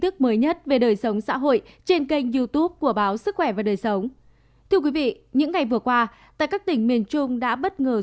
cảm ơn các bạn đã theo dõi